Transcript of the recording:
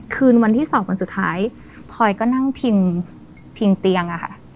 คืนวันที่สองวันสุดท้ายพลอยก็นั่งพิงพิงเตียงอะค่ะ